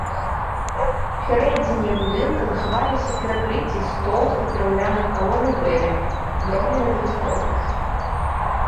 Усярэдзіне будынка захаваліся перакрыцці з тоўстых драўляных калон і бэлек, зробленых з лістоўніцы.